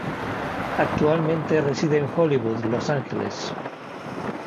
Actualmente reside en Hollywood, Los Ángeles.